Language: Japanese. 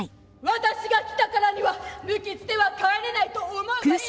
私が来たからには無傷では帰れないと思うがいい！